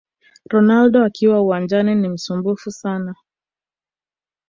Cristiano Ronaldo akiwa uwanjani ni msumbufu sana